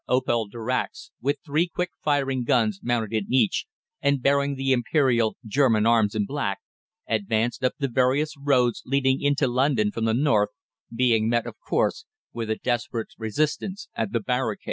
Opel Darracqs, with three quick firing guns mounted in each, and bearing the Imperial German arms in black advanced up the various roads leading into London from the north, being met, of course, with a desperate resistance at the barricades.